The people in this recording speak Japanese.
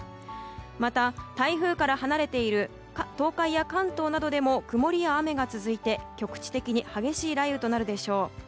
また、台風から離れている東海や関東などでも曇りや雨が続いて局地的に激しい雷雨となるでしょう。